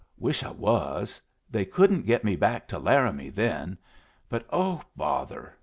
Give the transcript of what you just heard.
"Wish I was. They couldn't get me back to Laramie then; but, oh, bother!